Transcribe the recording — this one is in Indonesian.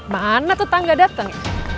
mana tetangga dateng